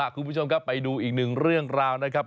คุณผู้ชมครับไปดูอีกหนึ่งเรื่องราวนะครับ